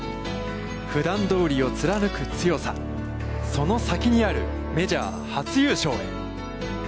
ふだんどおりを貫く強さ、その先にある、メジャー初優勝へ。